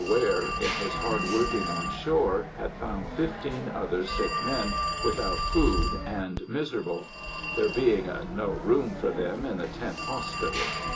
Ware, in his hard working on shore, had found fifteen other sick men, without food, and miserable; there being "no room" for them in the tent hospital.